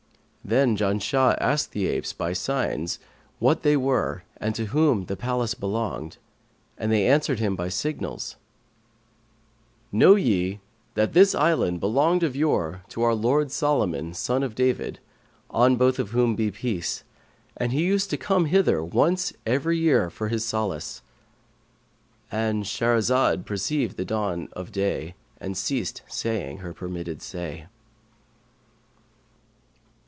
Then Janshah asked the apes by signs what they were and to whom the palace belonged, and they answered him by signals, 'Know ye that this island belonged of yore to our lord Solomon, son of David (on both of whom be peace!), and he used to come hither once every year for his solace,'"—And Shahrazad perceived the dawn of day and ceased saying her permitted say.